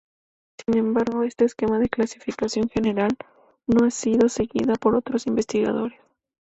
Sin embargo, este esquema de clasificación general no ha sido seguida por otros investigadores.